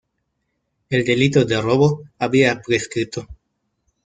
El delito de robo había prescrito.